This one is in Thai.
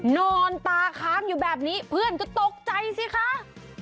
นอนตาค้างอยู่แบบนี้เพื่อนก็ตกใจสิคะ